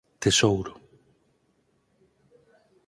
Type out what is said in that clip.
Tesouro